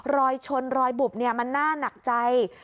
รอยชนรอยบุบเนี่ยมันน่านักใจ